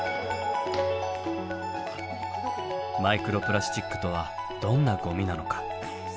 マイクロプラスチックとはどんなごみなのか？